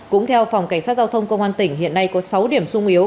cũng theo phòng cảnh sát giao thông công an tỉnh hiện nay có sáu điểm sung yếu